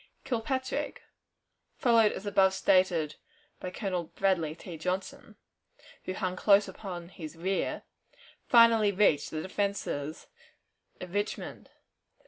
Kilpatrick, followed as above stated by Colonel Bradley T. Johnson, who hung close upon his rear, finally reached the defenses of Richmond.